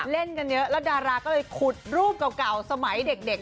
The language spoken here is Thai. เล่นกันเยอะแล้วดาราก็เลยขุดรูปเก่าสมัยเด็ก